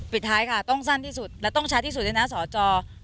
ปิดท้ายค่ะต้องสั้นที่สุดและต้องชัดที่สุดด้วยนะสอจอ